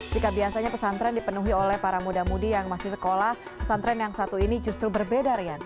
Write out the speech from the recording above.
jika biasanya pesantren dipenuhi oleh para muda mudi yang masih sekolah pesantren yang satu ini justru berbeda rian